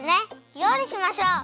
りょうりしましょう！